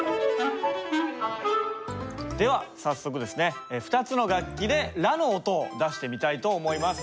では早速ですね２つの楽器でラの音を出してみたいと思います。